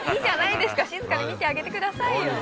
静かに見てあげてくださいよ。